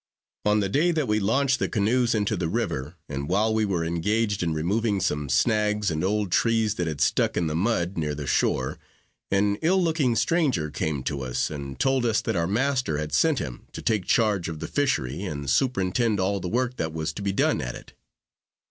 On the day that we launched the canoes into the river, and while we were engaged in removing some snags and old trees that had stuck in the mud, near the shore, an ill looking stranger came to us, and told us that our master had sent him to take charge of the fishery, and superintend all the work that was to be done at it.